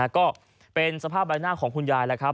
ก็เป็นสภาพใบหน้าของคุณยายแล้วครับ